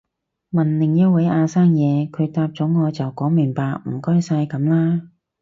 問另一位阿生嘢，佢答咗我就講明白唔該晒噉啦